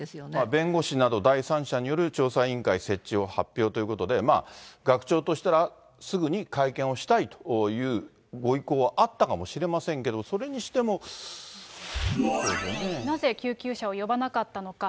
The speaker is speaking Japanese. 弁護士など第三者による調査委員会設置を発表ということで、学長としたら、すぐに会見をしたいというご意向はあったかもしれませんけれども、なぜ救急車を呼ばなかったのか。